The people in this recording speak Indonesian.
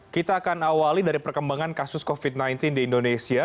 kita akan awali dari perkembangan kasus covid sembilan belas di indonesia